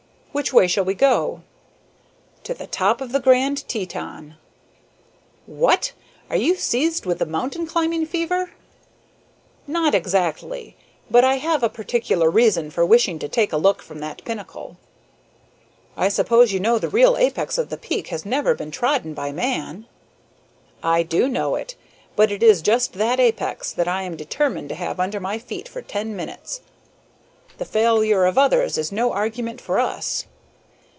"Which way shall we go?" "To the top of the Grand Teton." "What! are you seized with the mountain climbing fever?" "Not exactly, but I have a particular reason for wishing to take a look from that pinnacle." "I suppose you know the real apex of the peak has never been trodden by man?" "I do know it, but it is just that apex that I am determined to have under my feet for ten minutes. The failure of others is no argument for us."